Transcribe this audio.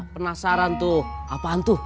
penasaran tuh apaan tuh